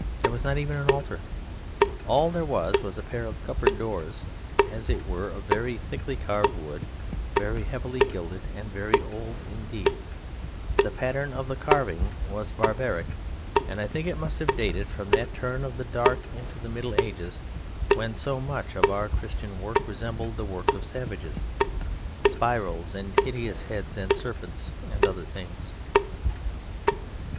There was not even an altar. All there was was a pair of cupboard doors, as it were, of very thickly carved wood, very heavily gilded and very old; indeed, the pattern of the carving was barbaric, and I think it must have dated from that turn of the Dark into the Middle Ages when so much of our Christian work resembled the work of savages: spirals and hideous heads, and serpents and other things.